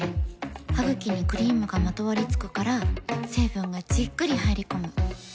ハグキにクリームがまとわりつくから成分がじっくり入り込む。